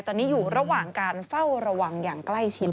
ตอนนี้อยู่ระหว่างการเฝ้าระวังอย่างใกล้ชิด